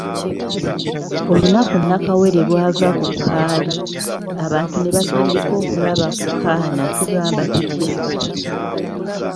Olunaku Nakawere lw'ava ku kaali abantu ne batandika okulaba ku kaana tugamba tutya?